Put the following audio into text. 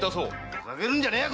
ふざけるんじゃねえや！